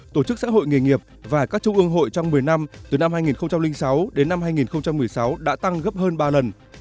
tổ chức xã hội nghề nghiệp và các trung ương hội trong một mươi năm từ năm hai nghìn sáu đến năm hai nghìn một mươi sáu đã tăng gấp hơn ba lần